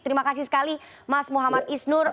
terima kasih sekali mas muhammad isnur